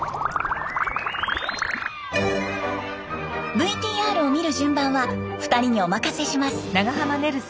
ＶＴＲを見る順番は２人にお任せします。